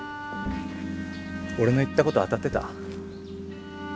俺の言ったこと当たってた？